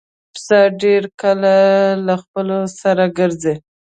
پسه ډېر کله له خپلو سره ګرځي.